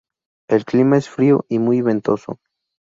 El clima es frío y muy ventoso.